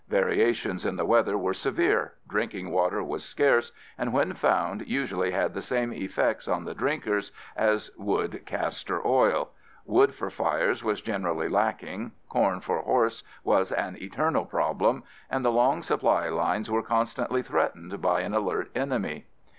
Variations in the weather were severe; drinking water was scarce and when found usually had the same effects on the drinkers as would castor oil; wood for fires was generally lacking; corn for horses was an eternal problem; and the long supply lines were constantly threatened by an alert enemy.